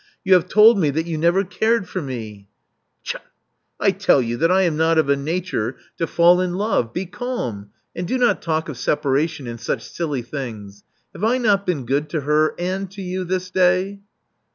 You have told me that you never cared for me " Chut! I tell thee that I am not of a nature to fall Love Among the Artists 411 in love. Be calm ; and do not talk of separation, and such silly things. Have I not been good to her and to you this day?"